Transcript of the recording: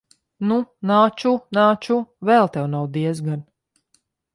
Nu, nāču, nāču. Vēl tev nav diezgan.